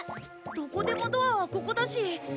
どこでもドアはここだし。